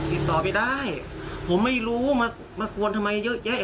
ติดต่อไปได้ผมไม่รู้มากวนทำไมเยอะแยะ